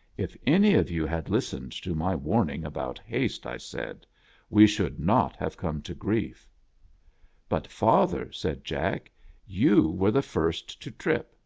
" If any of you had listened to my warning about haste," I said, '' we should not have come to grief." " lint, father," said Jack, " you were the first to trip."